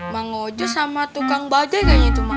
mau ngajak sama tukang baja kayaknya tuh mbak